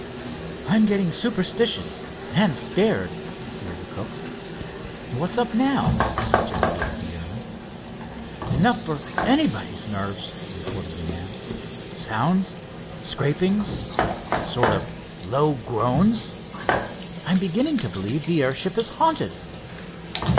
"I'm getting superstitious and scared," declared the cook. "What's up now?" interrogated the airman. "Enough for anybody's nerves," reported the man. "Sounds, scrapings, sort of low groans. I'm beginning to believe the airship is haunted."